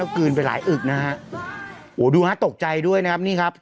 กลืนไปหลายอึกนะฮะโอ้โหดูฮะตกใจด้วยนะครับนี่ครับ